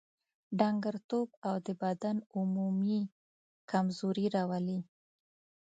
ډنګرتوب او د بدن عمومي کمزوري راولي.